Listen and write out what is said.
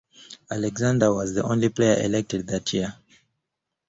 Alexander was the only player elected that year.